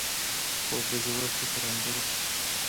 خوب د ژور فکر انځور دی